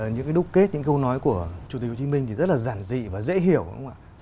những cái đúc kết những câu nói của chủ tịch hồ chí minh thì rất là giản dị và dễ hiểu đúng không ạ